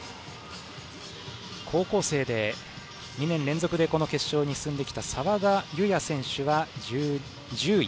高校生で２年連続で決勝に進んできた澤田結弥選手は１０位。